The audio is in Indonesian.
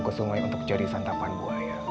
ke sungai untuk jadi santapan buaya